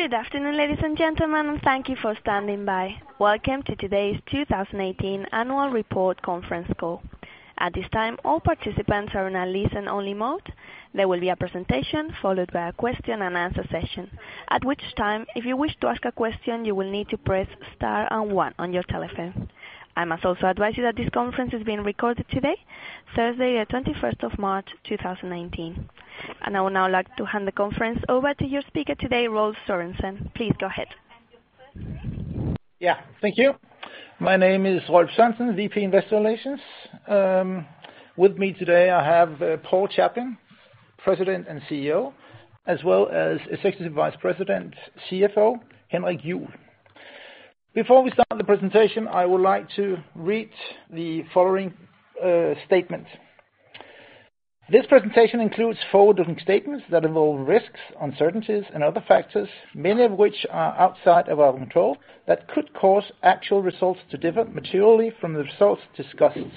Good afternoon, ladies and gentlemen. Thank you for standing by. Welcome to today's 2018 Annual Report conference call. At this time, all participants are in a listen-only mode. There will be a presentation followed by a question-and-answer session, at which time, if you wish to ask a question, you will need to press star and 1 on your telephone. I must also advise you that this conference is being recorded today, Thursday, the 21st of March, 2019. I would now like to hand the conference over to your speaker today, Rolf Sass Sørensen. Please go ahead. Yeah, thank you. My name is Rolf Sass Sørensen, VP, Investor Relations. With me today, I have Paul Chaplin, President and CEO, as well as Executive Vice President, CFO, Henrik Juuel. Before we start the presentation, I would like to read the following statement. This presentation includes forward-looking statements that involve risks, uncertainties, and other factors, many of which are outside of our control, that could cause actual results to differ materially from the results discussed.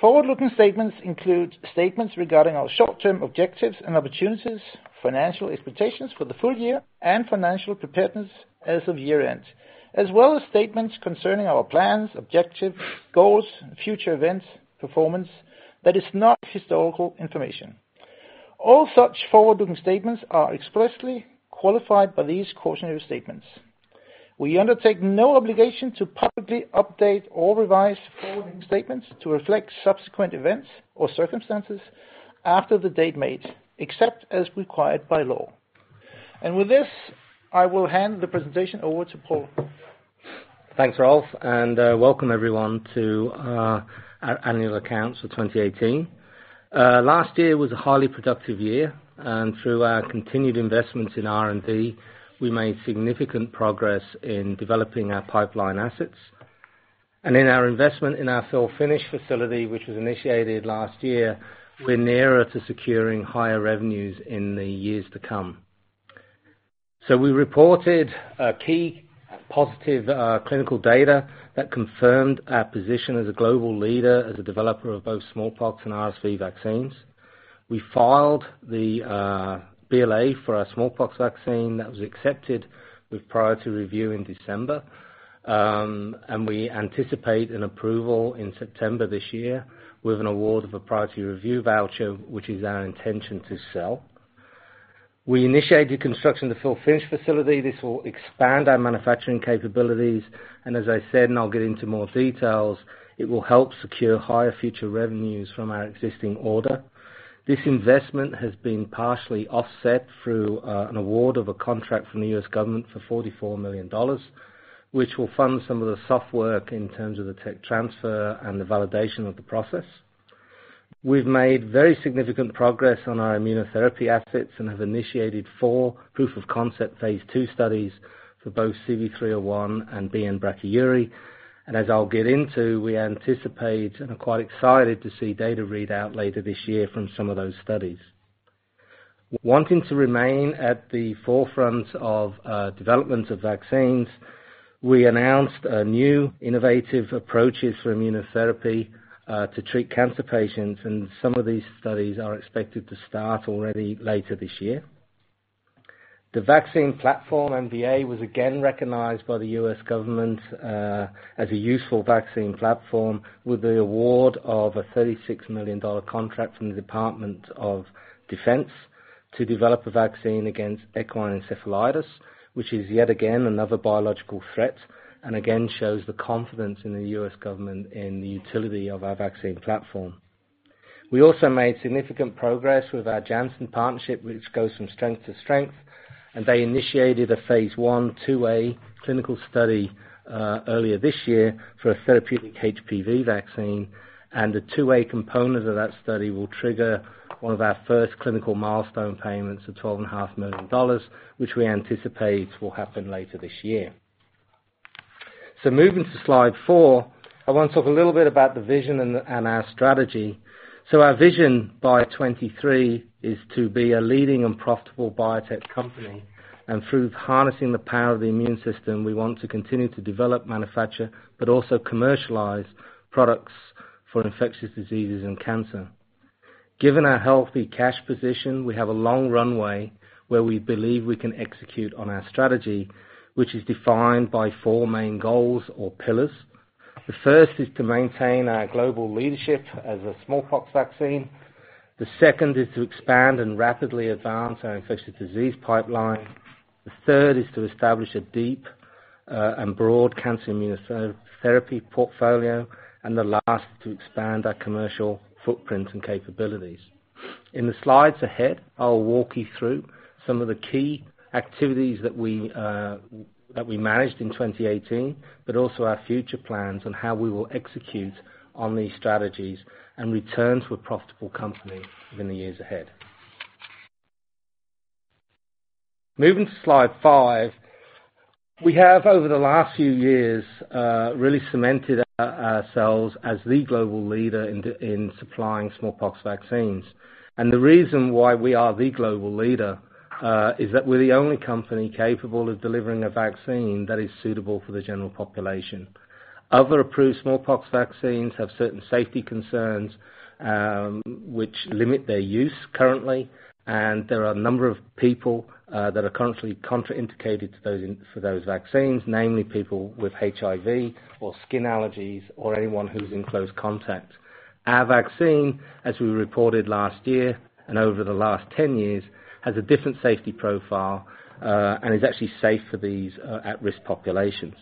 Forward-looking statements include statements regarding our short-term objectives and opportunities, financial expectations for the full year, and financial preparedness as of year-end, as well as statements concerning our plans, objectives, goals, future events, performance that is not historical information. All such forward-looking statements are expressly qualified by these cautionary statements. We undertake no obligation to publicly update or revise forward-looking statements to reflect subsequent events or circumstances after the date made, except as required by law. With this, I will hand the presentation over to Paul. Thanks, Rolf, welcome everyone to our annual accounts for 2018. Last year was a highly productive year, through our continued investments in R&D, we made significant progress in developing our pipeline assets. In our investment in our fill-finish facility, which was initiated last year, we're nearer to securing higher revenues in the years to come. We reported key positive clinical data that confirmed our position as a global leader, as a developer of both smallpox and RSV vaccines. We filed the BLA for our smallpox vaccine. That was accepted with priority review in December, we anticipate an approval in September this year, with an award of a priority review voucher, which is our intention to sell. We initiated construction of the fill-finish facility. This will expand our manufacturing capabilities, as I said, and I'll get into more details, it will help secure higher future revenues from our existing order. This investment has been partially offset through an award of a contract from the US government for $44 million, which will fund some of the soft work in terms of the tech transfer and the validation of the process. We've made very significant progress on our immunotherapy assets and have initiated four proof-of-concept phase II studies for both CV301 and BN-Brachyury. As I'll get into, we anticipate and are quite excited to see data readout later this year from some of those studies. Wanting to remain at the forefront of development of vaccines, we announced new innovative approaches for immunotherapy to treat cancer patients, and some of these studies are expected to start already later this year. The vaccine platform, MVA, was again recognized by the US government as a useful vaccine platform with the award of a $36 million contract from the Department of Defense to develop a vaccine against equine encephalitis, which is yet again another biological threat, and again, shows the confidence in the US government in the utility of our vaccine platform. We also made significant progress with our Janssen partnership, which goes from strength to strength, and they initiated a phase I/II-A clinical study earlier this year for a therapeutic HPV vaccine, and the IIa component of that study will trigger one of our first clinical milestone payments of $12.5 million, which we anticipate will happen later this year. Moving to slide 4, I want to talk a little bit about the vision and our strategy. Our vision by 2023 is to be a leading and profitable biotech company, and through harnessing the power of the immune system, we want to continue to develop, manufacture, but also commercialize products for infectious diseases and cancer. Given our healthy cash position, we have a long runway where we believe we can execute on our strategy, which is defined by four main goals or pillars. The first is to maintain our global leadership as a smallpox vaccine. The second is to expand and rapidly advance our infectious disease pipeline. The third is to establish a deep and broad cancer immunotherapy portfolio, the last, to expand our commercial footprint and capabilities. In the slides ahead, I'll walk you through some of the key activities that we that we managed in 2018, also our future plans on how we will execute on these strategies and return to a profitale company in the years ahead. Moving to slide 5. We have, over the last few years, really cemented ourselves as the global leader in supplying smallpox vaccines. The reason why we are the global leader is that we're the only company capable of delivering a vaccine that is suitable for the general population. Other approved smallpox vaccines have certain safety concerns, which limit their use currently. There are a number of people that are currently contraindicated for those vaccines, namely people with HIV, or skin allergies, or anyone who's in close contact. Our vaccine, as we reported last year, and over the last 10 years, has a different safety profile and is actually safe for these at-risk populations.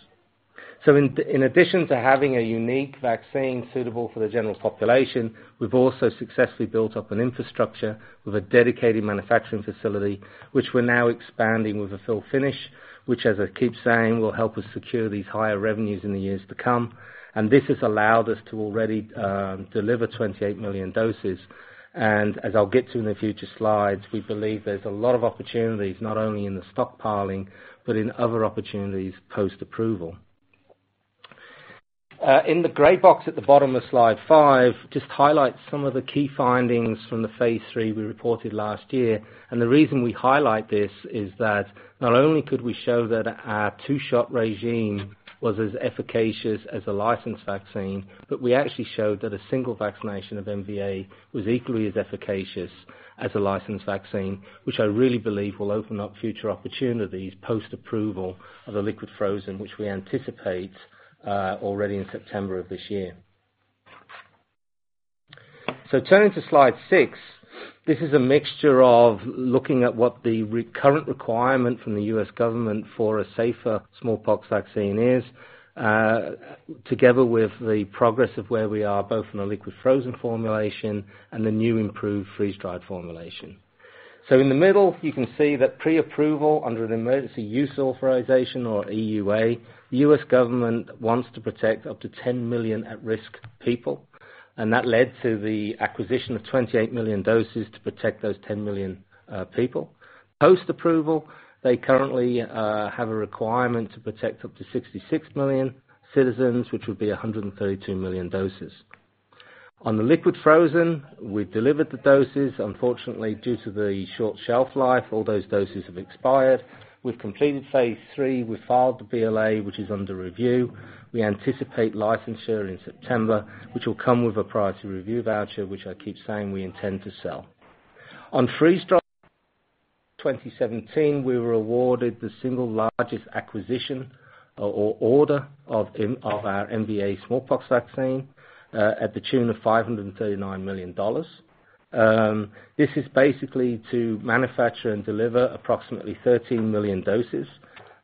In addition to having a unique vaccine suitable for the general population, we've also successfully built up an infrastructure with a dedicated manufacturing facility, which we're now expanding with a fill-finish, which, as I keep saying, will help us secure these higher revenues in the years to come. This has allowed us to already deliver 28 million doses. As I'll get to in the future slides, we believe there's a lot of opportunities, not only in the stockpiling, but in other opportunities post-approval. In the gray box at the bottom of slide 5, just highlights some of the key findings from the phase III we reported last year. The reason we highlight this, is that not only could we show that our two-shot regime was as efficacious as a licensed vaccine, but we actually showed that a single vaccination of MVA was equally as efficacious as a licensed vaccine, which I really believe will open up future opportunities post-approval of the liquid frozen, which we anticipate already in September of this year. Turning to slide six, this is a mixture of looking at what the current requirement from the US government for a safer smallpox vaccine is, together with the progress of where we are, both from a liquid frozen formulation and the new improved freeze-dried formulation. In the middle, you can see that pre-approval under an Emergency Use Authorization, or EUA, US government wants to protect up to 10 million at-risk people, and that led to the acquisition of 28 million doses to protect those 10 million people. Post-approval, they currently have a requirement to protect up to 66 million citizens, which would be 132 million doses. On the liquid frozen, we delivered the doses. Unfortunately, due to the short shelf life, all those doses have expired. We've completed phase III. We filed the BLA, which is under review. We anticipate licensure in September, which will come with a priority review voucher, which I keep saying we intend to sell. On freeze-dried, 2017, we were awarded the single largest acquisition or order of our MVA smallpox vaccine, at the tune of $539 million. This is basically to manufacture and deliver approximately 13 million doses.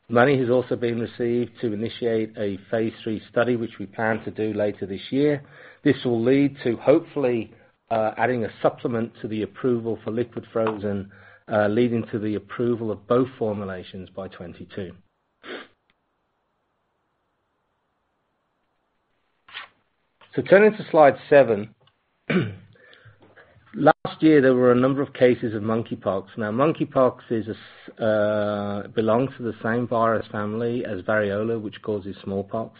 Money has also been received to initiate a phase III study, which we plan to do later this year. This will lead to, hopefully, adding a supplement to the approval for liquid frozen, leading to the approval of both formulations by 2022. Turning to slide 7. Last year, there were a number of cases of monkeypox. Now, monkeypox belongs to the same virus family as variola, which causes smallpox.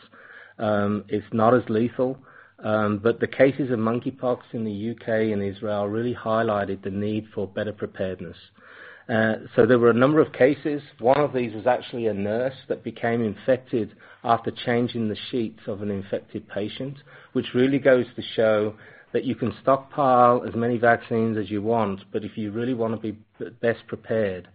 It's not as lethal, but the cases of monkeypox in the UK and Israel really highlighted the need for better preparedness. There were a number of cases. One of these was actually a nurse that became infected after changing the sheets of an infected patient, which really goes to show that you can stockpile as many vaccines as you want, but if you really wanna be best prepared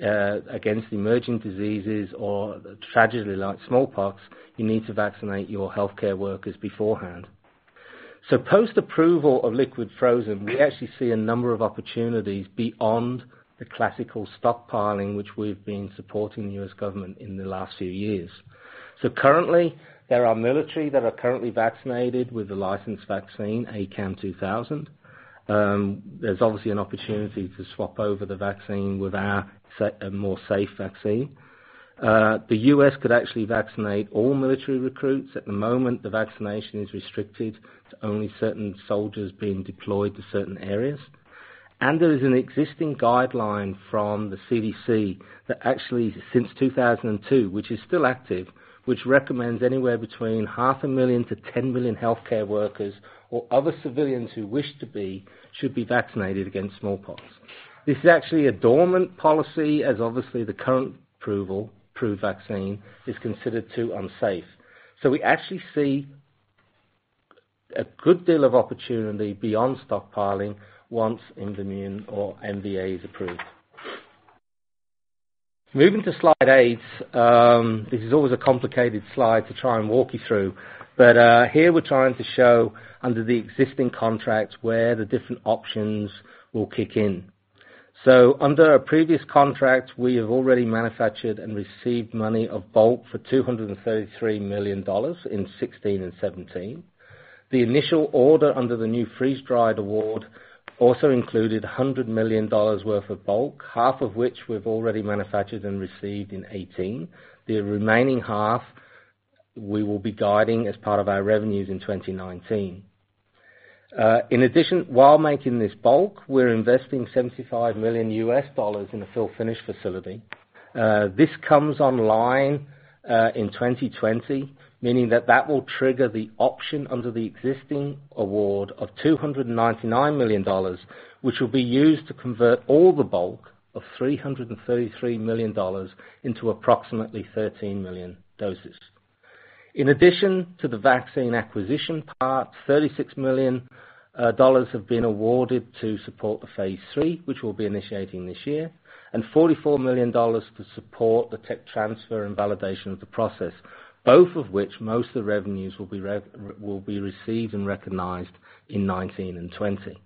against emerging diseases or tragedy like smallpox, you need to vaccinate your healthcare workers beforehand. Post-approval of liquid frozen, we actually see a number of opportunities beyond the classical stockpiling, which we've been supporting the US government in the last few years. Currently, there are military that are currently vaccinated with the licensed vaccine, ACAM2000. There's obviously an opportunity to swap over the vaccine with our more safe vaccine. The U.S. could actually vaccinate all military recruits. At the moment, the vaccination is restricted to only certain soldiers being deployed to certain areas. There is an existing guideline from the CDC that actually, since 2002, which is still active, which recommends anywhere between half a million to 10 million healthcare workers or other civilians who wish to be, should be vaccinated against smallpox. This is actually a dormant policy, as obviously the current approval-approved vaccine is considered too unsafe. We actually see a good deal of opportunity beyond stockpiling once IMVAMUNE or MVA is approved. Moving to slide 8, this is always a complicated slide to try and walk you through. Here we're trying to show under the existing contract, where the different options will kick in. Under our previous contract, we have already manufactured and received money of bulk for $233 million in 2016 and 2017. The initial order under the new freeze-dried award also included $100 million worth of bulk, half of which we've already manufactured and received in 2018. The remaining half we will be guiding as part of our revenues in 2019. In addition, while making this bulk, we're investing $75 million in a fill-finish facility. This comes online in 2020, meaning that that will trigger the option under the existing award of $299 million, which will be used to convert all the bulk of $333 million into approximately 13 million doses. In addition to the vaccine acquisition part, $36 million have been awarded to support the phase III, which we'll be initiating this year, and $44 million to support the tech transfer and validation of the process, both of which most of the revenues will be received and recognized in 2019 and 2020.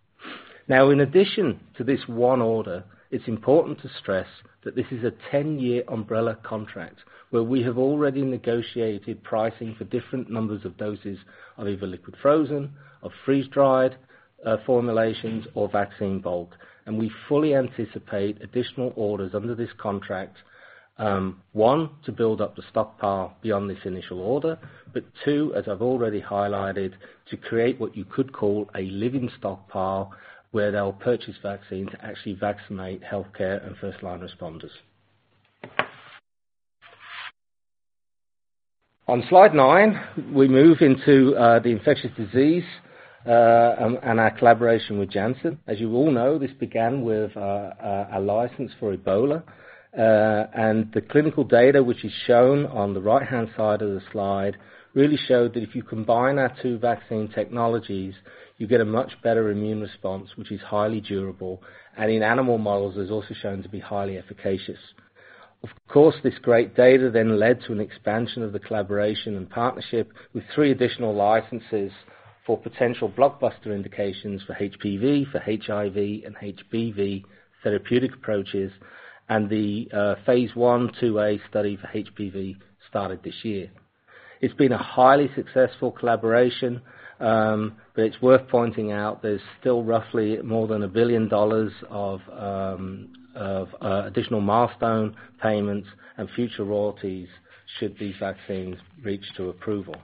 In addition to this 1 order, it's important to stress that this is a 10-year umbrella contract, where we have already negotiated pricing for different numbers of doses of either liquid frozen, of freeze-dried, formulations, or vaccine bulk. We fully anticipate additional orders under this contract, 1, to build up the stockpile beyond this initial order, but 2, as I've already highlighted, to create what you could call a living stockpile, where they'll purchase vaccines to actually vaccinate healthcare and first-line responders. On Slide 9, we move into the infectious disease and our collaboration with Janssen. As you all know, this began with a license for Ebola. The clinical data, which is shown on the right-hand side of the slide, really showed that if you combine our two vaccine technologies, you get a much better immune response, which is highly durable, and in animal models, is also shown to be highly efficacious. Of course, this great data then led to an expansion of the collaboration and partnership with 3 additional licenses for potential blockbuster indications for HPV, for HIV, and HBV therapeutic approaches, and the phase I/II-A study for HPV started this year. It's been a highly successful collaboration, but it's worth pointing out there's still roughly more than $1 billion of additional milestone payments and future royalties should these vaccines reach to approval.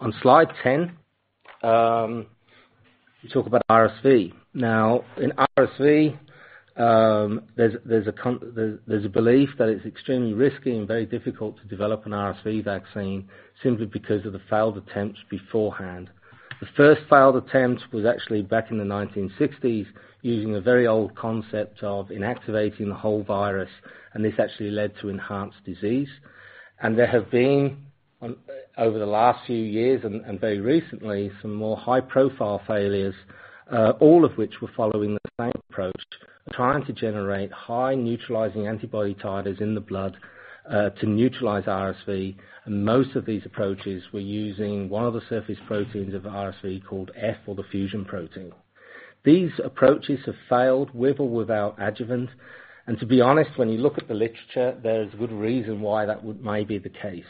On Slide 10, we talk about RSV. Now, in RSV, there's a belief that it's extremely risky and very difficult to develop an RSV vaccine simply because of the failed attempts beforehand. The first failed attempt was actually back in the 1960s, using a very old concept of inactivating the whole virus, and this actually led to enhanced disease. There have been over the last few years and very recently, some more high-profile failures, all of which were following the same approach, trying to generate high neutralizing antibody titers in the blood, to neutralize RSV. Most of these approaches were using one of the surface proteins of RSV called F or the fusion protein. These approaches have failed with or without adjuvant and, to be honest, when you look at the literature, there's good reason why that would may be the case.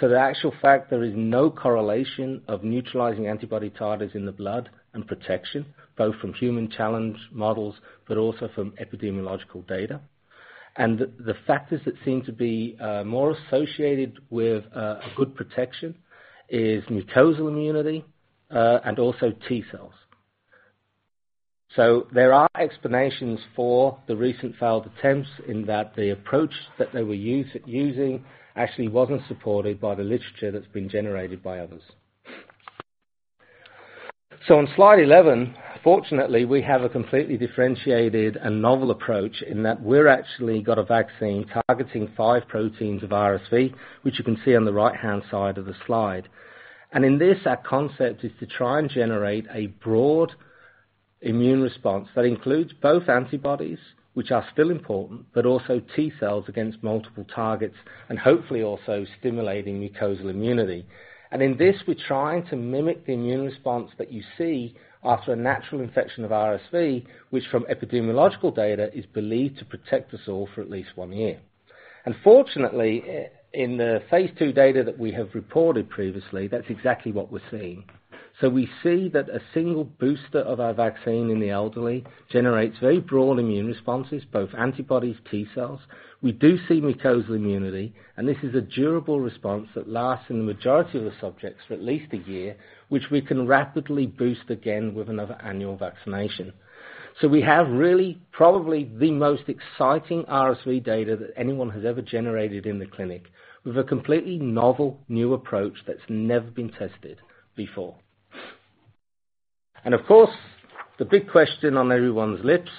The actual fact, there is no correlation of neutralizing antibody titers in the blood and protection, both from human challenge models, but also from epidemiological data. The factors that seem to be more associated with a good protection is mucosal immunity and also T cells. There are explanations for the recent failed attempts in that the approach that they were using actually wasn't supported by the literature that's been generated by others. On Slide 11, fortunately, we have a completely differentiated and novel approach in that we're actually got a vaccine targeting 5 proteins of RSV, which you can see on the right-hand side of the slide. In this, our concept is to try and generate a broad immune response that includes both antibodies, which are still important, but also T cells against multiple targets, and hopefully also stimulating mucosal immunity. In this, we're trying to mimic the immune response that you see after a natural infection of RSV, which from epidemiological data, is believed to protect us all for at least 1 year. Fortunately, in the phase II data that we have reported previously, that's exactly what we're seeing. We see that a single booster of our vaccine in the elderly generates very broad immune responses, both antibodies, T cells. We do see mucosal immunity. This is a durable response that lasts in the majority of the subjects for at least a year, which we can rapidly boost again with another annual vaccination. We have really, probably the most exciting RSV data that anyone has ever generated in the clinic, with a completely novel, new approach that's never been tested before. Of course, the big question on everyone's lips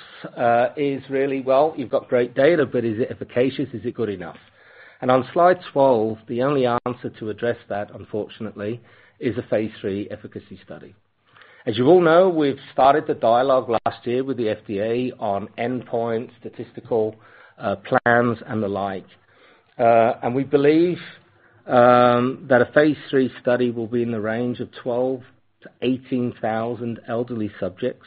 is really, well, you've got great data, but is it efficacious? Is it good enough? On Slide 12, the only answer to address that, unfortunately, is a phase III efficacy study. As you all know, we've started the dialogue last year with the FDA on endpoint, statistical plans, and the like. We believe that a phase III study will be in the range of 12,000-18,000 elderly subjects,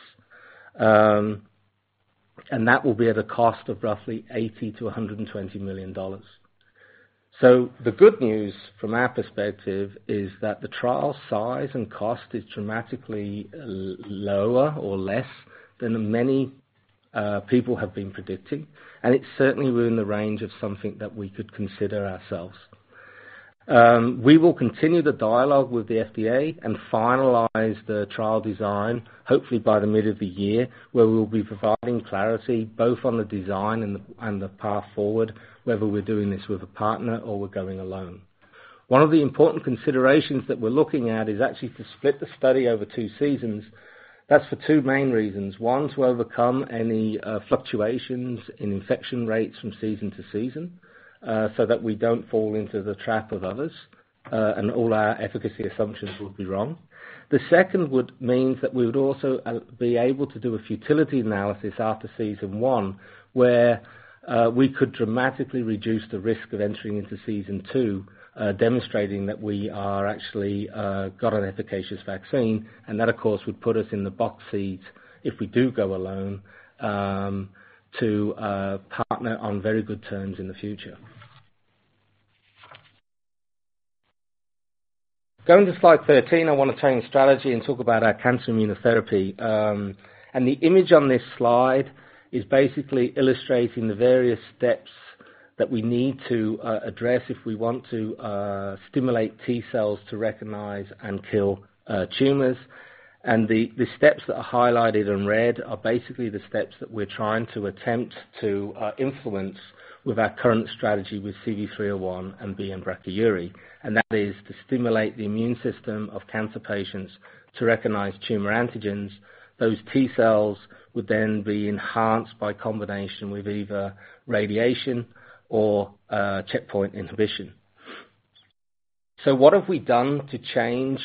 and that will be at a cost of roughly $80 million-$120 million. The good news, from our perspective, is that the trial size and cost is dramatically lower or less than the many people have been predicting, and it's certainly within the range of something that we could consider ourselves. We will continue the dialogue with the FDA and finalize the trial design, hopefully by the mid of the year, where we will be providing clarity both on the design and the path forward, whether we're doing this with a partner or we're going alone. One of the important considerations that we're looking at is actually to split the study over two seasons. That's for two main reasons. One, to overcome any fluctuations in infection rates from season to season, so that we don't fall into the trap of others, and all our efficacy assumptions will be wrong. The second would mean that we would also be able to do a futility analysis after season one, where we could dramatically reduce the risk of entering into season two, demonstrating that we are actually got an efficacious vaccine, and that, of course, would put us in the box seat if we do go alone, to partner on very good terms in the future. Going to slide 13, I wanna change strategy and talk about our cancer immunotherapy. The image on this slide is basically illustrating the various steps that we need to address if we want to stimulate T cells to recognize and kill tumors. The steps that are highlighted in red are basically the steps that we're trying to attempt to influence with our current strategy with CV301 and BN-Brachyury, and that is to stimulate the immune system of cancer patients to recognize tumor antigens. Those T cells would then be enhanced by combination with either radiation or checkpoint inhibition. What have we done to change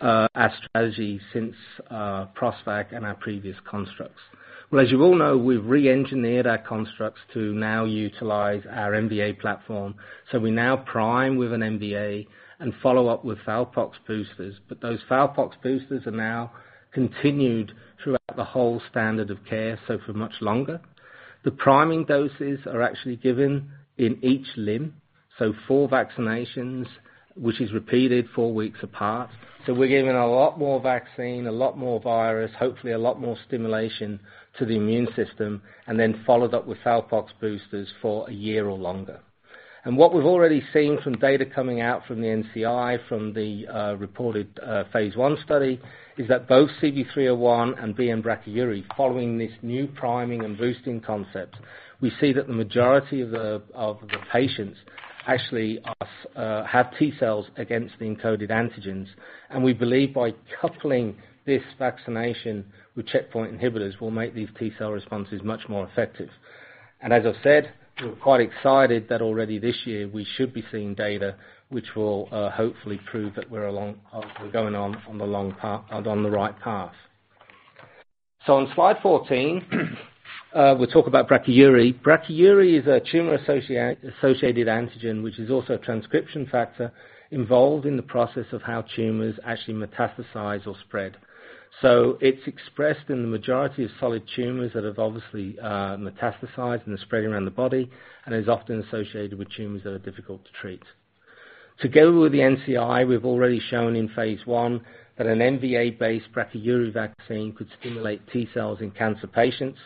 our strategy since PROSTVAC and our previous constructs? Well, as you all know, we've reengineered our constructs to now utilize our MVA-BN platform. We now prime with an MVA-BN and follow up with Fowlpox boosters, but those Fowlpox boosters are now continued throughout the whole standard of care, so for much longer. The priming doses are actually given in each limb, so 4 vaccinations, which is repeated 4 weeks apart. We're giving a lot more vaccine, a lot more virus, hopefully a lot more stimulation to the immune system, and then followed up with Fowlpox boosters for 1 year or longer. What we've already seen from data coming out from the NCI, from the reported phase I study, is that both CV301 and BN-Brachyury, following this new priming and boosting concept, we see that the majority of the patients actually have T cells against the encoded antigens, and we believe by coupling this vaccination with checkpoint inhibitors, will make these T cell responses much more effective. As I've said, we're quite excited that already this year, we should be seeing data which will hopefully prove that we're along, we're going on the long path, on the right path. On slide 14, we talk about Brachyury. Brachyury is a tumor-associated antigen, which is also a transcription factor involved in the process of how tumors actually metastasize or spread. It's expressed in the majority of solid tumors that have obviously metastasized and spread around the body, and is often associated with tumors that are difficult to treat. Together with the NCI, we've already shown in phase I that an MVA-based Brachyury vaccine could stimulate T cells in cancer patients,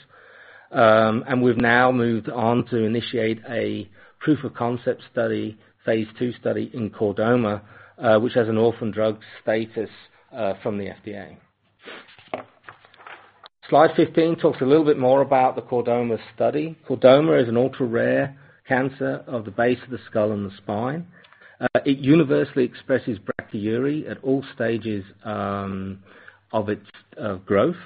and we've now moved on to initiate a proof of concept study, phase II study in chordoma, which has an Orphan Drug status from the FDA. Slide 15 talks a little bit more about the chordoma study. Chordoma is an ultra-rare cancer of the base of the skull and the spine. It universally expresses Brachyury at all stages of its growth.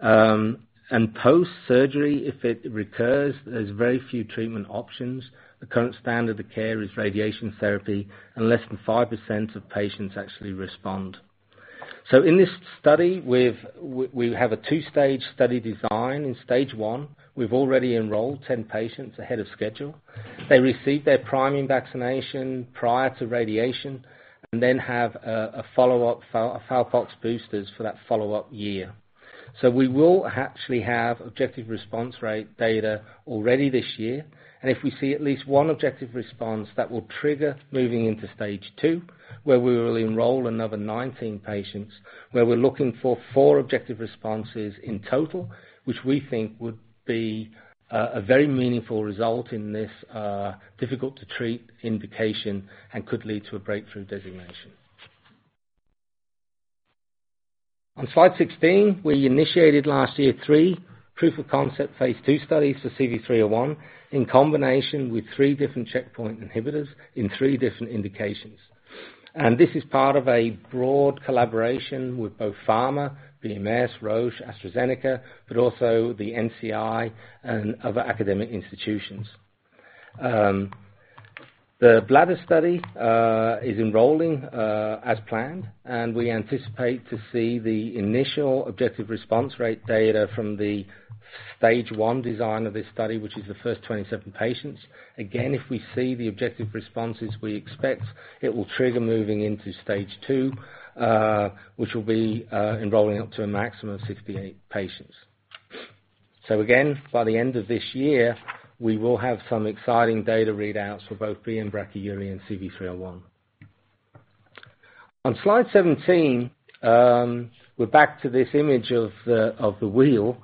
Post-surgery, if it recurs, there's very few treatment options. The current standard of care is radiation therapy, less than 5% of patients actually respond. In this study, we have a two-stage study design. In stage one, we've already enrolled 10 patients ahead of schedule. They receive their priming vaccination prior to radiation, and then have a follow-up Fowlpox boosters for that follow-up year. We will actually have objective response rate data already this year, and if we see at least one objective response, that will trigger moving into stage two, where we will enroll another 19 patients, where we're looking for four objective responses in total, which we think would be a very meaningful result in this difficult-to-treat indication and could lead to a breakthrough designation. On slide 16, we initiated last year, three proof of concept phase II studies for CV301, in combination with three different checkpoint inhibitors in three different indications. This is part of a broad collaboration with both Pharma, BMS, Roche, AstraZeneca, but also the NCI and other academic institutions. The bladder study is enrolling as planned, and we anticipate to see the initial objective response rate data from the Stage 1 design of this study, which is the first 27 patients. Again, if we see the objective responses we expect, it will trigger moving into Stage 2, which will be enrolling up to a maximum of 68 patients. Again, by the end of this year, we will have some exciting data readouts for both BN-Brachyury and CV301. On slide 17, we're back to this image of the, of the wheel,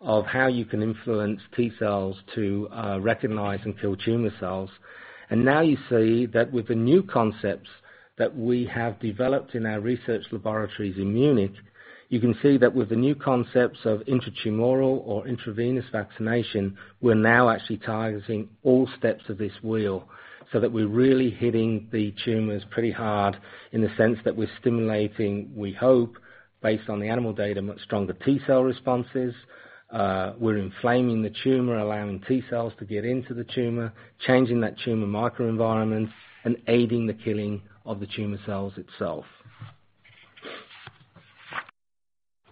of how you can influence T-cells to recognize and kill tumor cells. Now you see that with the new concepts that we have developed in our research laboratories in Munich, you can see that with the new concepts of intratumoral or intravenous vaccination, we're now actually targeting all steps of this wheel, so that we're really hitting the tumors pretty hard in the sense that we're stimulating, we hope, based on the animal data, much stronger T-cell responses. We're inflaming the tumor, allowing T-cells to get into the tumor, changing that tumor microenvironment, and aiding the killing of the tumor cells itself.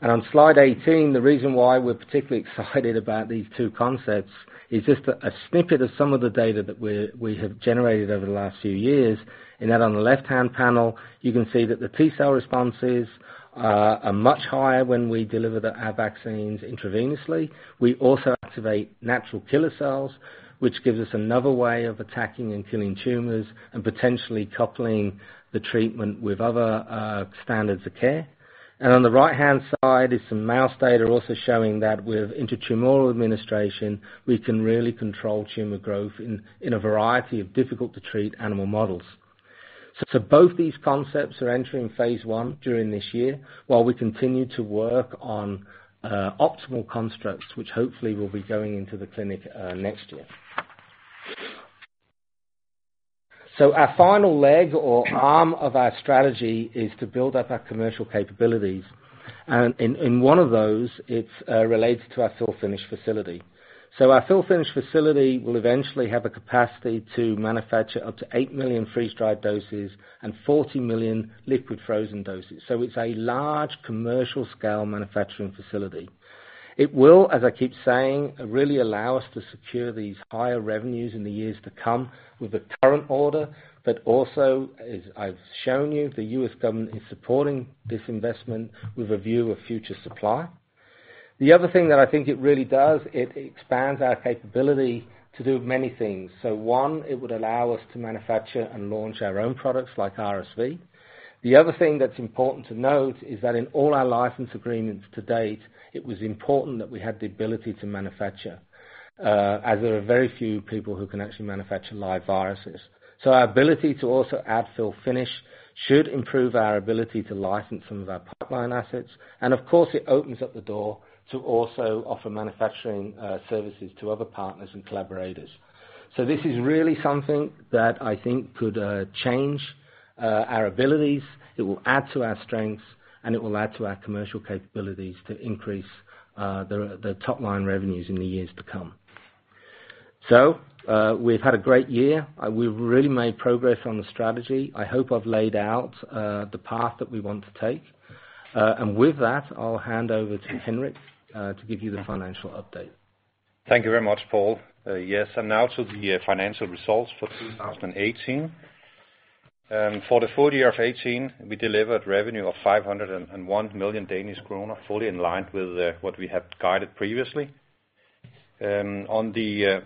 On slide 18, the reason why we're particularly excited about these two concepts is just a snippet of some of the data that we have generated over the last few years. That on the left-hand panel, you can see that the T-cell responses are much higher when we deliver our vaccines intravenously. We also activate natural killer cells, which gives us another way of attacking and killing tumors, and potentially coupling the treatment with other standards of care. On the right-hand side is some mouse data, also showing that with intratumoral administration, we can really control tumor growth in a variety of difficult-to-treat animal models. Both these concepts are entering phase I during this year, while we continue to work on optimal constructs, which hopefully will be going into the clinic next year. Our final leg or arm of our strategy is to build up our commercial capabilities. In one of those, it's related to our fill-finish facility. Our fill-finish facility will eventually have a capacity to manufacture up to 8 million freeze-dried doses and 40 million liquid frozen doses. It's a large commercial scale manufacturing facility. It will, as I keep saying, really allow us to secure these higher revenues in the years to come with the current order, but also, as I've shown you, the US government is supporting this investment with a view of future supply. The other thing that I think it really does, it expands our capability to do many things. One, it would allow us to manufacture and launch our own products, like RSV. The other thing that's important to note is that in all our license agreements to date, it was important that we had the ability to manufacture, as there are very few people who can actually manufacture live viruses. Our ability to also add fill-finish should improve our ability to license some of our pipeline assets. Of course, it opens up the door to also offer manufacturing services to other partners and collaborators. This is really something that I think could change our abilities, it will add to our strengths, and it will add to our commercial capabilities to increase the top-line revenueshin the years to come. We've had a great year. We've really made progress on the strategy. I hope I've laid out the path that we want to take. With that, I'll hand over to Henrik to give you the financial update. Thank you very much, Paul. Now to the financial results for 2018. For the full year of 2018, we delivered revenue of 501 million Danish kroner, fully in line with what we had guided previously. On the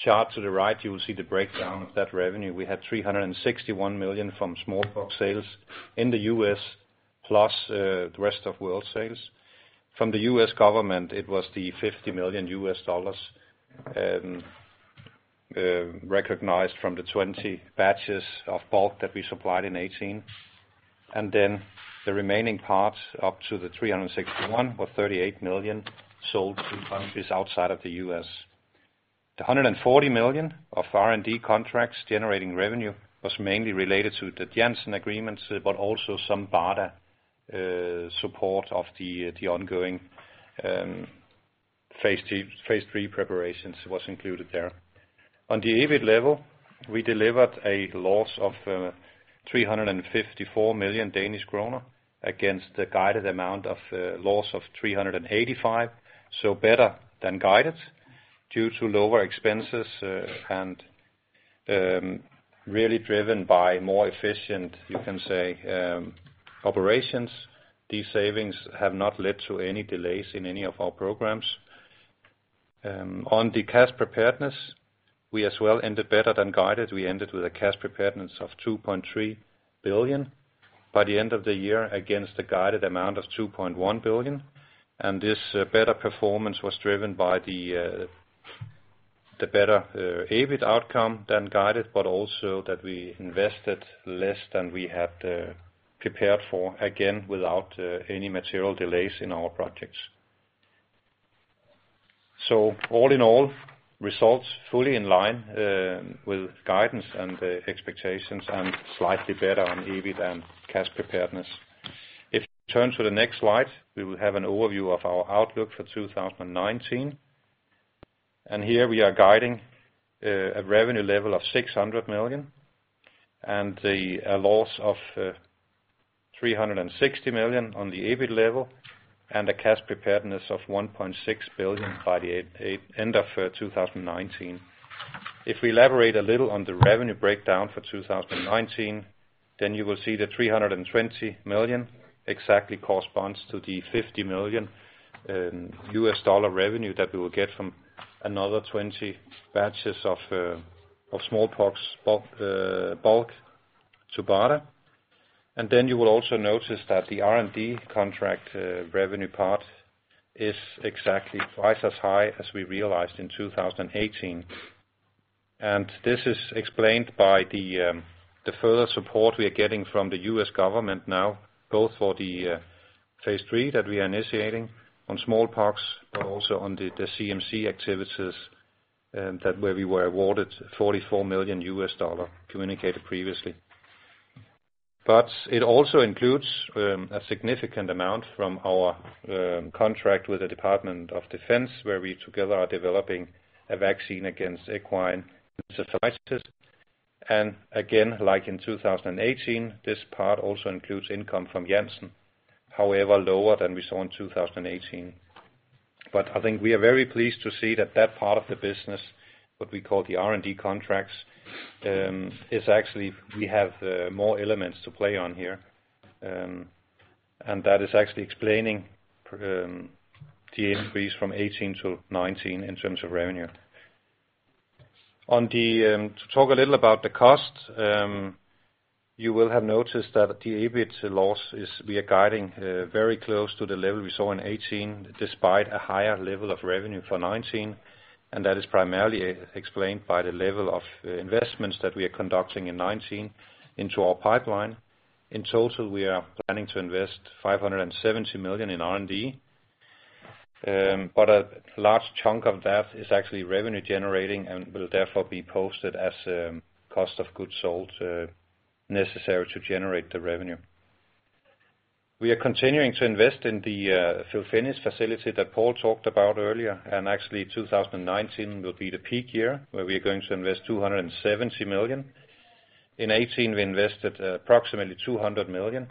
chart to the right, you will see the breakdown of that revenue. We had 361 million from smallpox sales in the U.S., plus the rest of world sales. From the US government, it was the $50 million recognized from the 20 batches of bulk that we supplied in 2018. The remaining parts, up to the 361, or 38 million, sold to countries outside of the U.S. 140 million of R&D contracts generating revenue was mainly related to the Janssen agreements. Also some BARDA support of the ongoing phase III preparations was included there. On the EBIT level, we delivered a loss of 354 million Danish kroner, against the guided amount of loss of 385 million. Better than guided, due to lower expenses and really driven by more efficient, you can say, operations. These savings have not led to any delays in any of our programs. On the cash preparedness, we as well ended better than guided. We ended with a cash preparedness of 2.3 billion by the end of the year, against the guided amount of 2.1 billion. This better performance was driven by the better EBIT outcome than guided, but also that we invested less than we had prepared for, again, without any material delays in our projects. All in all, results fully in line with guidance and expectations, and slightly better on EBIT and cash preparedness. If you turn to the next slide, we will have an overview of our outlook for 2019. Here we are guiding a revenue level of 600 million, a loss of 360 million on the EBIT level, and a cash preparedness of 1.6 billion by the end of 2019. If we elaborate a little on the revenue breakdown for 2019, you will see 320 million exactly corresponds to the $50 million revenue that we will get from another 20 batches of smallpox bulk to BARDA. You will also notice that the R&D contract revenue part is exactly twice as high as we realized in 2018. This is explained by the further support we are getting from the US government now, both for the phase III that we are initiating on smallpox, but also on the CMC activities where we were awarded $44 million, communicated previously. It also includes a significant amount from our contract with the Department of Defense, where we together are developing a vaccine against equine encephalitis. Again, like in 2018, this part also includes income from Janssen, however, lower than we saw in 2018. I think we are very pleased to see that that part of the business, what we call the R&D contracts, is actually, we have more elements to play on here. That is actually explaining the increase from 2018 to 2019 in terms of revenue. On the, to talk a little about the costs, you will have noticed that the EBIT loss is we are guiding very close to the level we saw in 2018, despite a higher level of revenue for 2019, and that is primarily explained by the level of investments that we are conducting in 2019 into our pipeline. In total, we are planning to invest 570 million in R&D, but a large chunk of that is actually revenue generating and will therefore be posted as cost of goods sold, necessary to generate the revenue. We are continuing to invest in the fill-finish facility that Paul talked about earlier, and actually 2019 will be the peak year, where we are going to invest 270 million. In 2018, we invested approximately 200 million.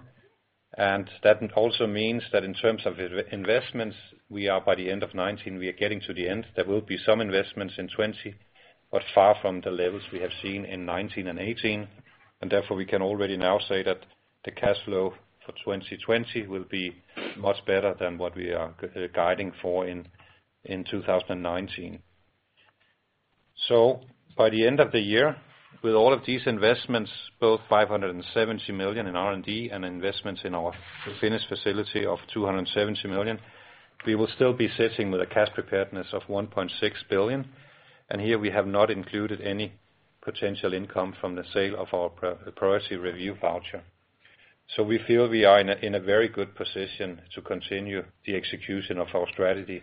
That also means that in terms of investments, by the end of 2019, we are getting to the end. There will be some investments in 2020, but far from the levels we have seen in 2019 and 2018. Therefore, we can already now say that the cash flow for 2020 will be much better than what we are guiding for in 2019. By the end of the year, with all of these investments, both 570 million in R&D and investments in our fill-finish facility of 270 million, we will still be sitting with a cash preparedness of 1.6 billion. Here we have not included any potential income from the sale of our priority review voucher. We feel we are in a very good position to continue the execution of our strategy.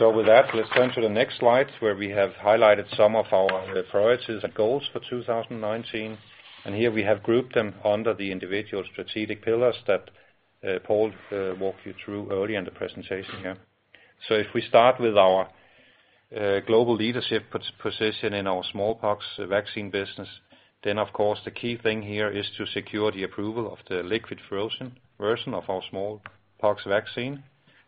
With that, let's turn to the next slide, where we have highlighted some of our priorities and goals for 2019. Here we have grouped them under the individual strategic pillars that Paul walked you through earlier in the presentation here. If we start with our global leadership position in our smallpox vaccine business, then of course, the key thing here is to secure the approval of the liquid frozen version of our smallpox vaccine,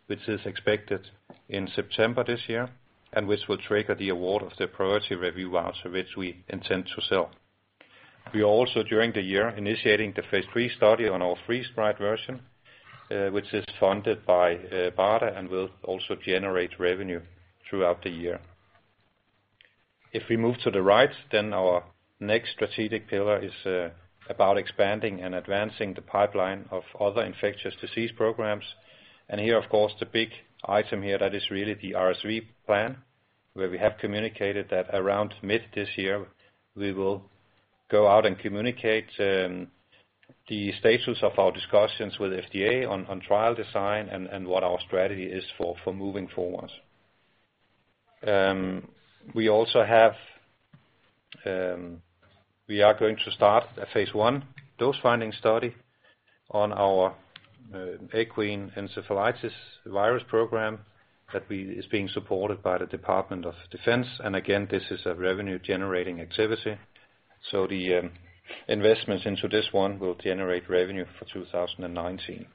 which is expected in September this year, and which will trigger the award of the priority review voucher, which we intend to sell. We are also, during the year, initiating the phase III study on our freeze-dried version, which is funded by BARDA and will also generate revenue throughout the year. If we move to the right, our next strategic pillar is about expanding and advancing the pipeline of other infectious disease programs. Here, of course, the big item here, that is really the RSV plan, where we have communicated that around mid this year, we will go out and communicate the status of our discussions with FDA on trial design and what our strategy is for moving forwards. We are going to start a phase I dose-finding study on our equine encephalitis virus program, is being supported by the Department of Defense, and again, this is a revenue-generating activity. The investments into this one will generate revenue for 2019.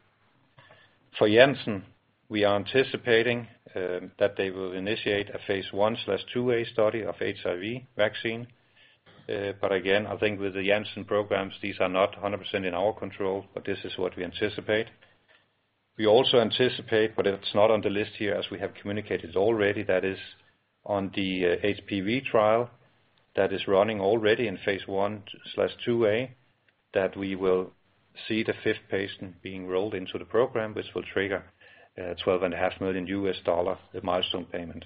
For Janssen, we are anticipating that they will initiate a phase I/II-A study of HIV vaccine. I think with the Janssen programs, these are not 100% in our control, but this is what we anticipate. We also anticipate, but it's not on the list here, as we have communicated already, that is on the HPV trial that is running already in phase I/II-A, that we will see the fifth patient being enrolled into the program, which will trigger $12.5 million, the milestone payment.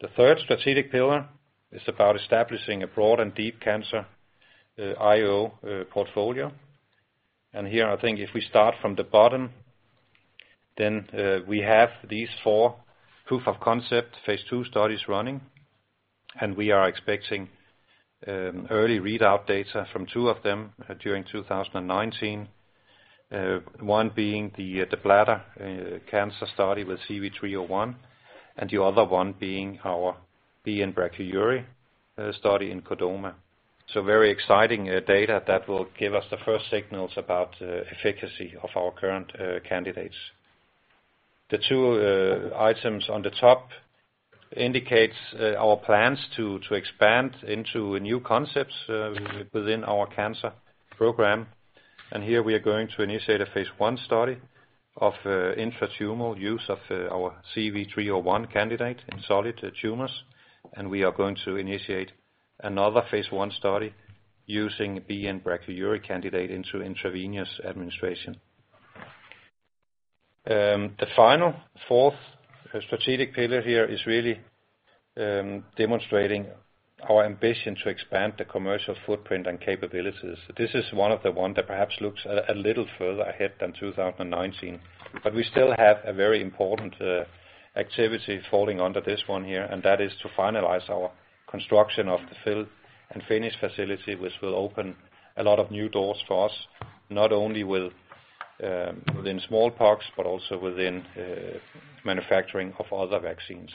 The third strategic pillar is about establishing a broad and deep cancer, IO, portfolio. Here, I think if we start from the bottom, we have these 4 proof of concept, phase II studies running, and we are expecting early readout data from 2 of them during 2019. One being the bladder cancer study with CV301, and the other one being our BN-Brachyury study in chordoma. Very exciting data that will give us the first signals about efficacy of our current candidates. The 2 items on the top indicates our plans to expand into new concepts within our cancer program.... Here we are going to initiate a phase I study of intratumoral use of our CV301 candidate in solid tumors, and we are going to initiate another phase I study using the BN-Brachyury candidate into intravenous administration. The final fourth strategic pillar here is really demonstrating our ambition to expand the commercial footprint and capabilities. This is one of the one that perhaps looks a little further ahead than 2019, but we still have a very important activity falling under this one here, and that is to finalize our construction of the fill and finish facility, which will open a lot of new doors for us, not only with within smallpox, but also within manufacturing of other vaccines.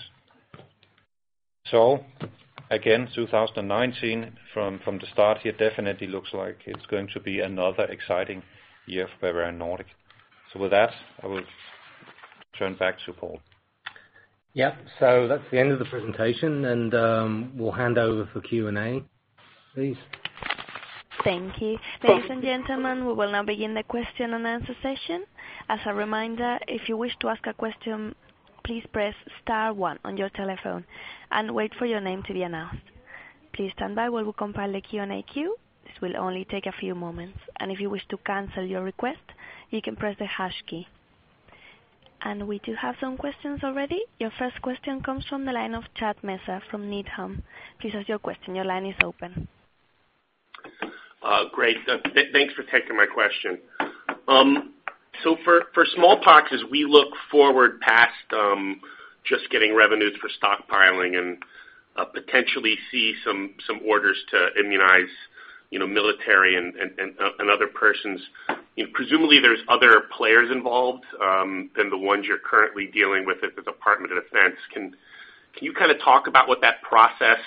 Again, 2019 from the start, it definitely looks like it's going to be another exciting year for Bavarian Nordic. With that, I will turn back to Paul. Yep. That's the end of the presentation, and we'll hand over for Q&A. Please. Thank you. Ladies and gentlemen, we will now begin the question-and-answer session. As a reminder, if you wish to ask a question, please press star one on your telephone and wait for your name to be announced. Please stand by while we compile the Q&A queue. This will only take a few moments, and if you wish to cancel your request, you can press the hash key. We do have some questions already. Your first question comes from the line of Chad Messer from Needham. Please ask your question. Your line is open. Great. Thanks for taking my question. For smallpox, as we look forward past just getting revenues for stockpiling and potentially see some orders to immunize, you know, military and other persons, presumably there's other players involved than the ones you're currently dealing with at the Department of Defense. Can you kinda talk about what that process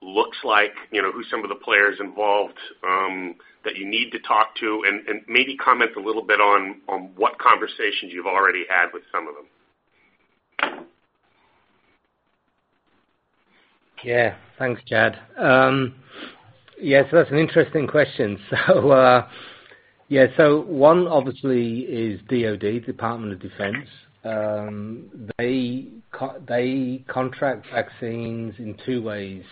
looks like? You know, who some of the players involved that you need to talk to, and maybe comment a little bit on what conversations you've already had with some of them? Thanks, Chad. That's an interesting question. One obviously is DoD, Department of Defense. They contract vaccines in 2 ways.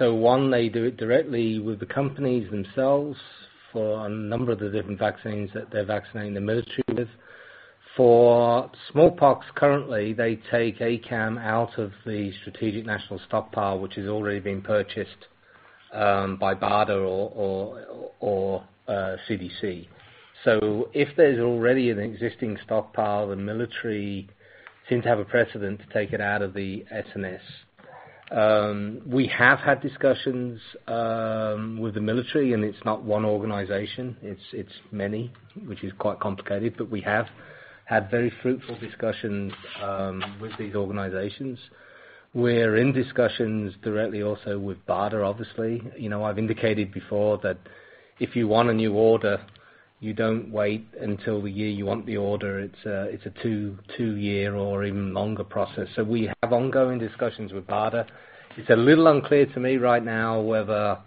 1, they do it directly with the companies themselves for a number of the different vaccines that they're vaccinating the military with. For smallpox, currently, they take ACAM out of the Strategic National Stockpile, which is already being purchased by BARDA or CDC. If there's already an existing stockpile, the military seems to have a precedent to take it out of the SNS. We have had discussions with the military, it's not 1 organization, it's many, which is quite complicated, we have had very fruitful discussions with these organizations. We're in discussions directly also with BARDA, obviously. You know, I've indicated before that if you want a new order, you don't wait until the year you want the order. It's a 2-year or even longer process. We have ongoing discussions with BARDA. It's a little unclear to me right now whether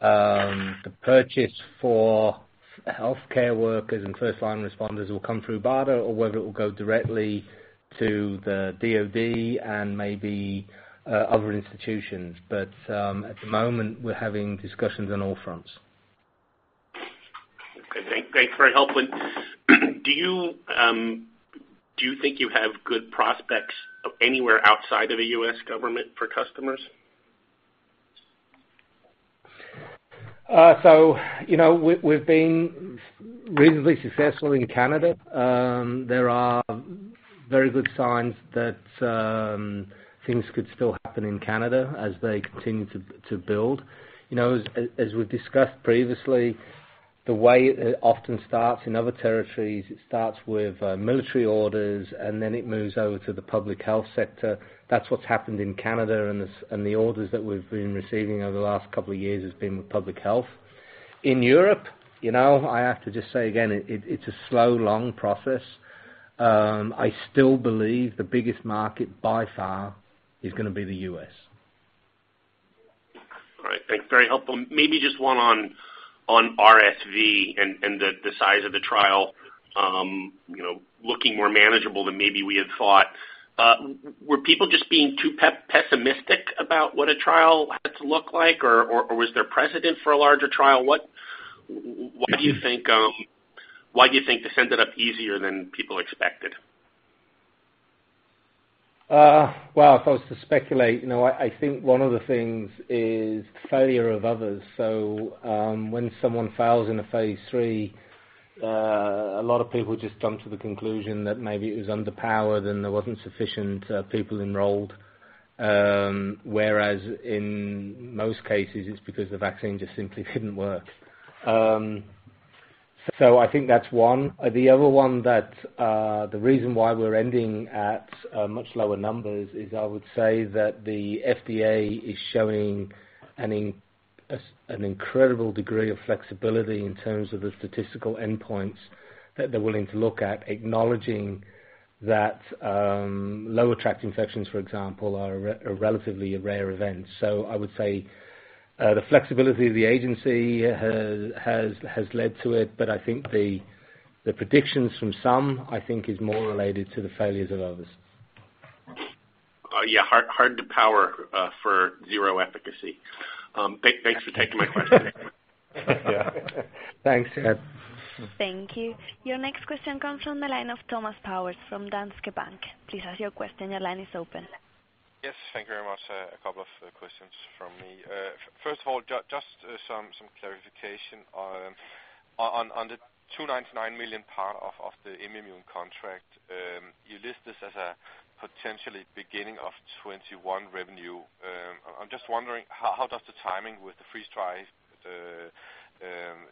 the purchase for healthcare workers and first line responders will come through BARDA or whether it will go directly to the DoD and maybe other institutions. At the moment, we're having discussions on all fronts. Okay, thanks for your help with Do you think you have good prospects anywhere outside of the US government for customers? You know, we've been reasonably successful in Canada. There are very good signs that things could still happen in Canada as they continue to build. You know, as we've discussed previously, the way it often starts in other territories, it starts with military orders, and then it moves over to the public health sector. That's what's happened in Canada, and the orders that we've been receiving over the last 2 years has been with public health. In Europe, you know, I have to just say again, it's a slow, long process. I still believe the biggest market by far is going to be the U.S. All right, thanks. Very helpful. Maybe just one on RSV and the size of the trial, you know, looking more manageable than maybe we had thought. Were people just being too pessimistic about what a trial had to look like, or was there precedent for a larger trial? Why do you think, why do you think this ended up easier than people expected? Well, if I was to speculate, you know, I think one of the things is failure of others. When someone fails in a phase III, a lot of people just come to the conclusion that maybe it was underpowered and there wasn't sufficient people enrolled. Whereas in most cases, it's because the vaccine just simply didn't work. I think that's one. The other one that the reason why we're ending at much lower numbers is I would say that the FDA is showing an incredible degree of flexibility in terms of the statistical endpoints that they're willing to look at, acknowledging that lower tract infections, for example, are relatively rare events. I would say. The flexibility of the agency has led to it, but I think the predictions from some, I think, is more related to the failures of others. Yeah, [hard to empower], for zero efficacy. Thanks for taking my question. Yeah. Thanks. Thank you. Your next question comes from the line of Thomas Bowers from Danske Bank. Please ask your question. Your line is open. Yes, thank you very much. A couple of questions from me. First of all, just some clarification. On the 299 million part of the IMVAMUNE contract, you list this as a potentially beginning of 2021 revenue. I'm just wondering, how does the timing with the freeze dry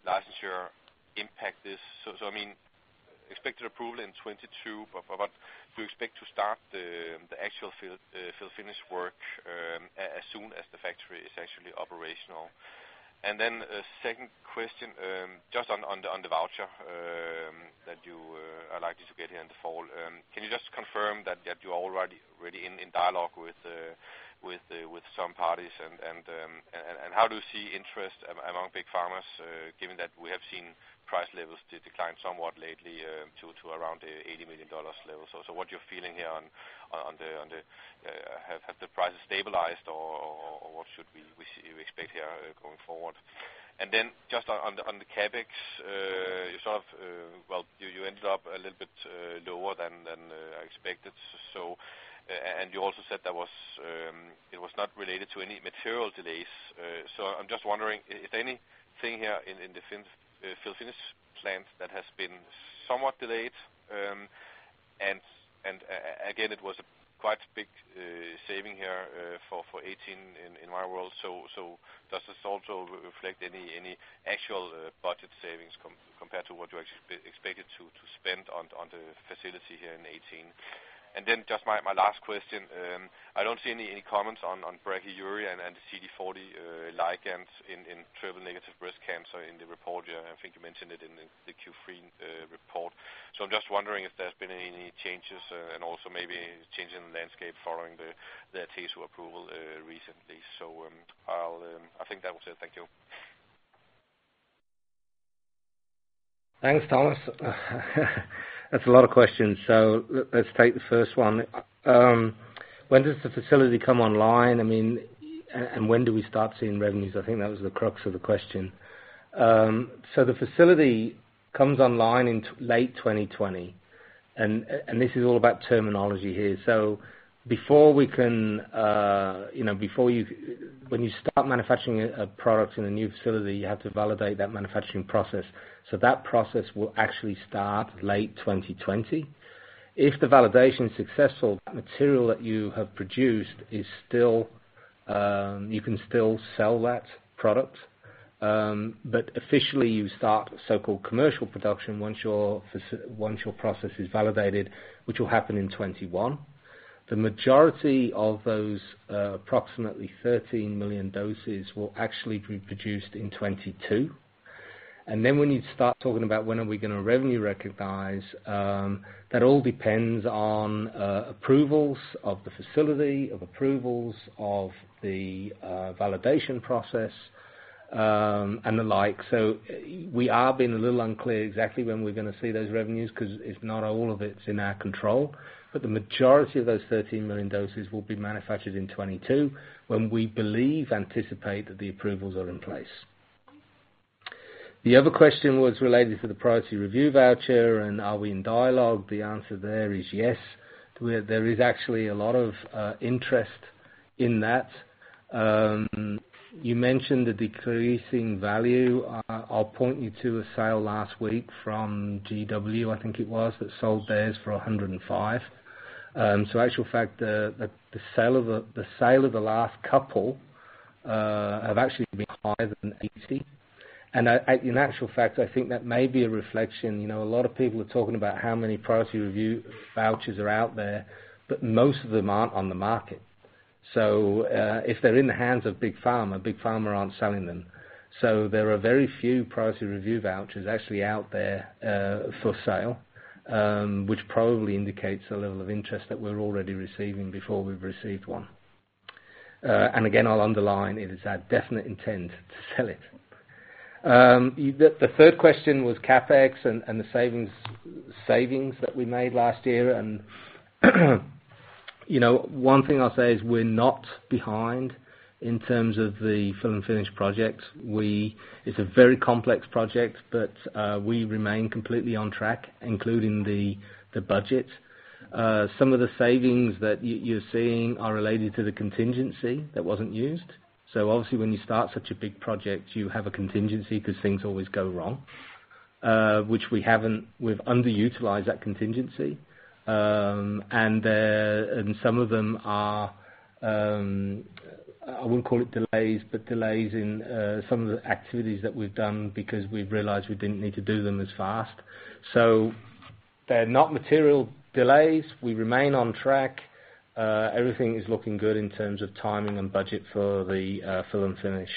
licensure impact this? I mean, expected approval in 2022, but we expect to start the actual fill-finish work as soon as the factory is actually operational. Second question, just on the voucher that you are likely to get here in the fall. Can you just confirm that you're already really in dialogue with some parties and how do you see interest among big pharmas, given that we have seen price levels decline somewhat lately, to around the $80 million level? What you're feeling here on the, have the prices stabilized or what should we expect here going forward? Just on the CapEx, you sort of, well, you ended up a little bit lower than I expected. And you also said that was, it was not related to any material delays. I'm just wondering if anything here in the fill-finish plant that has been somewhat delayed. Again, it was a quite big saving here for 18 in my world. Does this also reflect any actual budget savings compared to what you actually expected to spend on the facility here in 18? Just my last question, I don't see any comments on Brachyury and the CD40 ligands in triple negative breast cancer in the report here. I think you mentioned it in the Q3 report. I'm just wondering if there's been any changes and also maybe changes in the landscape following the KEYTRUDA approval recently. I think that was it. Thank you. Thanks, Thomas. That's a lot of questions. Let's take the first one. When does the facility come online? I mean, when do we start seeing revenues? I think that was the crux of the question. The facility comes online in late 2020, and this is all about terminology here. Before we can, you know, when you start manufacturing a product in a new facility, you have to validate that manufacturing process. That process will actually start late 2020. If the validation is successful, material that you have produced is still, you can still sell that product, officially, you start so-called commercial production once your process is validated, which will happen in 2021. The majority of those, approximately 13 million doses will actually be produced in 2022. When you start talking about when are we gonna revenue recognize, that all depends on approvals of the facility, approvals of the validation process, and the like. We are being a little unclear exactly when we're gonna see those revenues, 'cause it's not all of it's in our control. The majority of those 13 million doses will be manufactured in 2022, when we believe, anticipate that the approvals are in place. The other question was related to the priority review voucher and are we in dialogue? The answer there is yes. There is actually a lot of interest in that. You mentioned the decreasing value. I'll point you to a sale last week from GW, I think it was, that sold theirs for $105. So actual fact, the sale of the last couple have actually been higher than 80. In actual fact, I think that may be a reflection. You know, a lot of people are talking about how many priority review vouchers are out there, but most of them aren't on the market. If they're in the hands of big pharma, big pharma aren't selling them. There are very few priority review vouchers actually out there for sale, which probably indicates the level of interest that we're already receiving before we've received one. Again, I'll underline, it is our definite intent to sell it. The third question was CapEx and the savings that we made last year. You know, one thing I'll say is we're not behind in terms of the fill and finish project. It's a very complex project, but we remain completely on track, including the budget. Obviously, when you start such a big project, you have a contingency because things always go wrong, which we haven't, we've underutilized that contingency. Some of them are, I wouldn't call it delays, but delays in some of the activities that we've done because we've realized we didn't need to do them as fast. They're not material delays. We remain on track. Everything is looking good in terms of timing and budget for the fill and finish.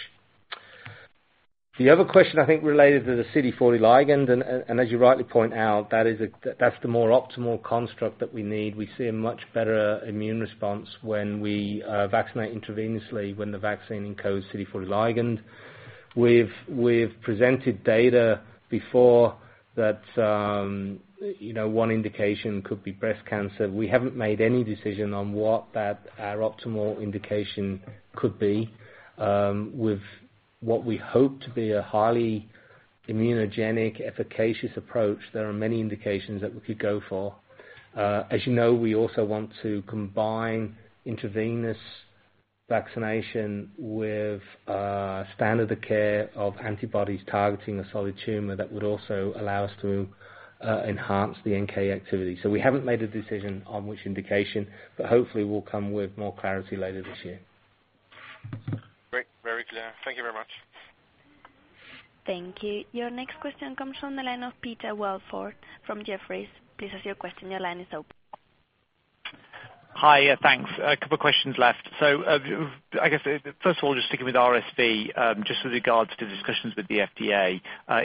The other question, I think, related to the CD40 ligand, as you rightly point out, that's the more optimal construct that we need. We see a much better immune response when we vaccinate intravenously when the vaccine encodes CD40 ligand. We've presented data before that, you know, one indication could be breast cancer. We haven't made any decision on what that, our optimal indication could be. With what we hope to be a highly immunogenic, efficacious approach, there are many indications that we could go for. As you know, we also want to combine intravenous vaccination with standard of care of antibodies targeting a solid tumor that would also allow us to enhance the NK activity. We haven't made a decision on which indication, but hopefully we'll come with more clarity later this year. Great, very clear. Thank you very much. Thank you. Your next question comes from the line of Peter Welford from Jefferies. Please ask your question. Your line is open. Hi, yeah, thanks. A couple questions left. I guess, first of all, just sticking with RSV, just with regards to the discussions with the FDA,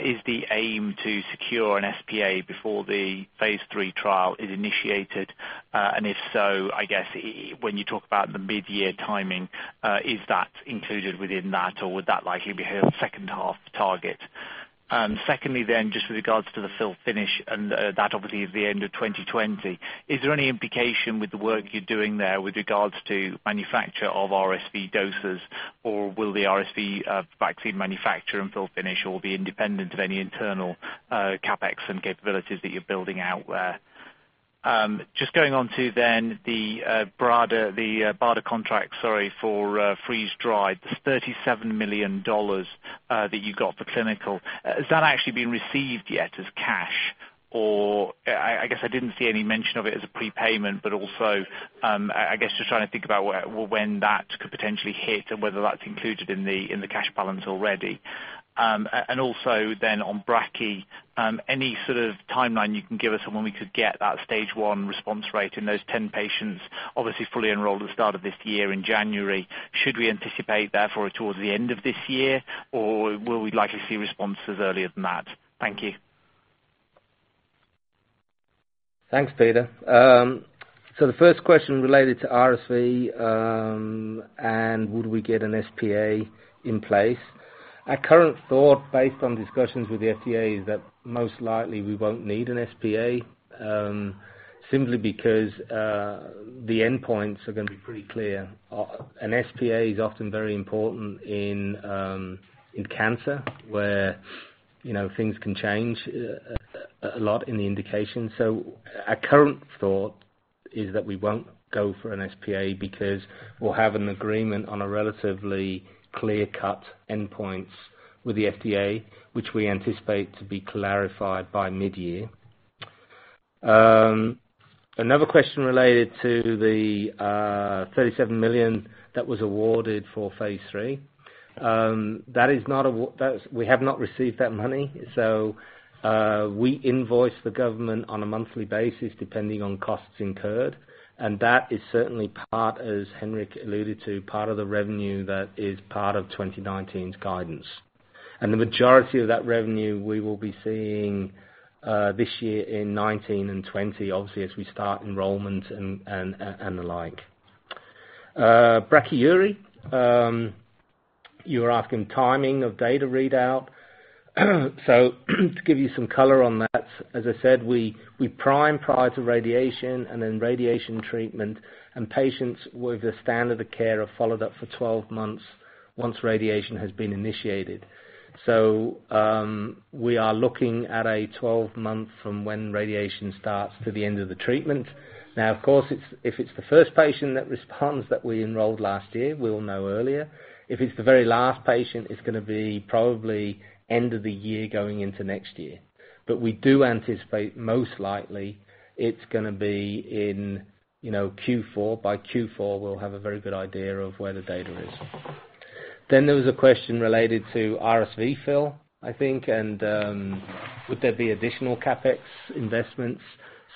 is the aim to secure an SPA before the phase III trial is initiated? If so, I guess, when you talk about the mid-year timing, is that included within that, or would that likely be a second half target? Secondly, just with regards to the fill-finish, and that obviously is the end of 2020, is there any implication with the work you're doing there with regards to manufacture of RSV doses, or will the RSV vaccine manufacture and fill-finish be independent of any internal CapEx and capabilities that you're building out there? Just going on to then the BARDA, the BARDA contract, sorry, for freeze-dried, the $37 million that you got for clinical. Has that actually been received yet as cash? Or I guess I didn't see any mention of it as a prepayment, but also, I guess just trying to think about when that could potentially hit and whether that's included in the cash balance already. Also then on brachyury, any sort of timeline you can give us on when we could get that Stage One response rate in those 10 patients, obviously fully enrolled at the start of this year in January. Should we anticipate therefore, towards the end of this year, or will we likely see responses earlier than that? Thank you. Thanks, Peter. The first question related to RSV, would we get an SPA in place? Our current thought, based on discussions with the FDA, is that most likely we won't need an SPA simply because the endpoints are going to be pretty clear. An SPA is often very important in cancer, where, you know, things can change a lot in the indication. Our current thought is that we won't go for an SPA because we'll have an agreement on a relatively clear-cut endpoints with the FDA, which we anticipate to be clarified by mid-year. Another question related to the $37 million that was awarded for phase III. That, we have not received that money. We invoice the government on a monthly basis, depending on costs incurred, and that is certainly part, as Henrik alluded to, part of the revenue that is part of 2019's guidance. The majority of that revenue we will be seeing this year in 2019 and 2020, obviously, as we start enrollment and the like. Brachyury, you were asking timing of data readout. To give you some color on that, as I said, we prime prior to radiation and then radiation treatment, and patients with the standard of care are followed up for 12 months, once radiation has been initiated. We are looking at a 12-month from when radiation starts to the end of the treatment. Now, of course, if it's the first patient that responds that we enrolled last year, we'll know earlier. If it's the very last patient, it's gonna be probably end of the year, going into next year. We do anticipate, most likely, it's gonna be in Q4. By Q4, we'll have a very good idea of where the data is. There was a question related to RSV fill, I think, and would there be additional CapEx investments?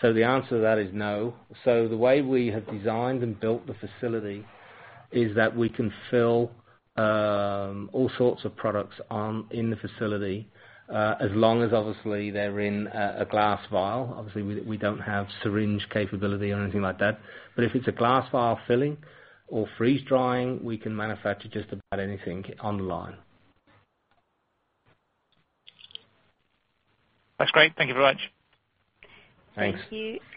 The answer to that is no. The way we have designed and built the facility is that we can fill all sorts of products on, in the facility, as long as obviously they're in a glass vial. Obviously, we don't have syringe capability or anything like that, but if it's a glass vial filling or freeze drying, we can manufacture just about anything on the line. That's great. Thank you very much. Thanks.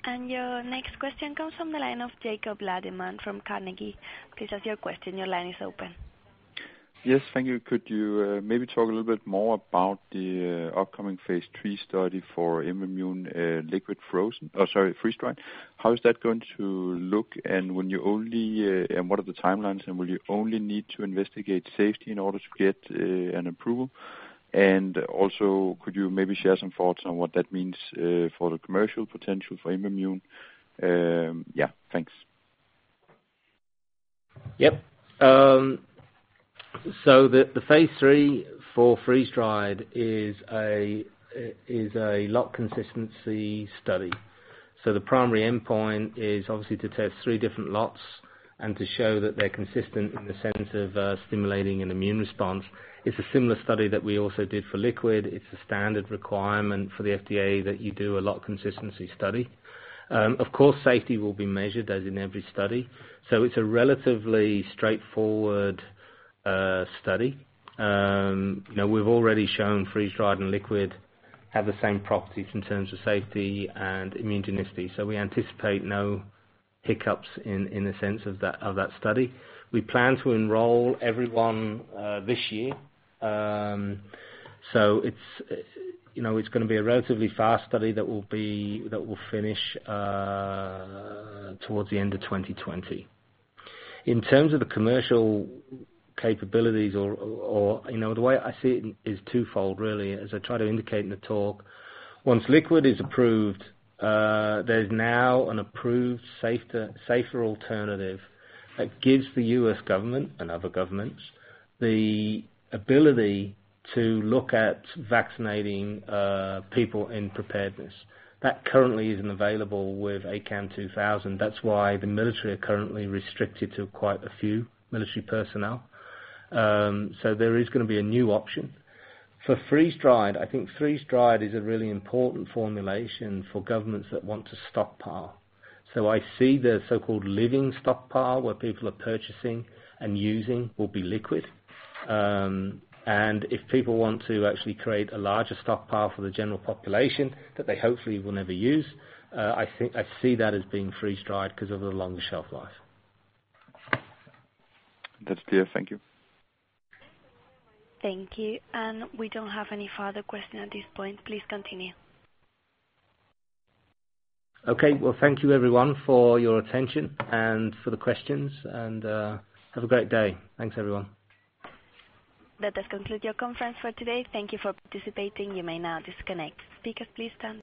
Thank you. Your next question comes from the line of Jacob Lademann from Carnegie. Please ask your question. Your line is open. Yes, thank you. Could you maybe talk a little bit more about the upcoming phase III study for IMVAMUNE liquid frozen, sorry, freeze-dried? How is that going to look? When you only, and what are the timelines, and will you only need to investigate safety in order to get an approval? Also, could you maybe share some thoughts on what that means for the commercial potential for IMVAMUNE? Yeah, thanks. Yep. The phase III for freeze-dried is a lot consistency study. The primary endpoint is obviously to test three different lots. And to show that they're consistent in the sense of stimulating an immune response. It's a similar study that we also did for liquid. It's a standard requirement for the FDA that you do a lot consistency study. Of course, safety will be measured, as in every study. It's a relatively straightforward study. Now, we've already shown freeze-dried and liquid have the same properties in terms of safety and immunogenicity, so we anticipate no hiccups in the sense of that study. We plan to enroll everyone this year. It's, you know, it's gonna be a relatively fast study that will finish towards the end of 2020. In terms of the commercial capabilities or, you know, the way I see it is twofold, really, as I tried to indicate in the talk. Once liquid is approved, there's now an approved, safer alternative that gives the US government and other governments the ability to look at vaccinating people in preparedness. That currently isn't available with ACAM2000. That's why the military are currently restricted to quite a few military personnel. There is gonna be a new option. For freeze-dried, I think freeze-dried is a really important formulation for governments that want to stockpile. I see the so-called living stockpile, where people are purchasing and using, will be liquid. If people want to actually create a larger stockpile for the general population, that they hopefully will never use, I think I see that as being freeze-dried because of the longer shelf life. That's clear. Thank you. Thank you. We don't have any further question at this point. Please continue. Okay. Well, thank you everyone for your attention and for the questions. Have a great day. Thanks, everyone. That does conclude your conference for today. Thank you for participating. You may now disconnect. Speakers, please stand by.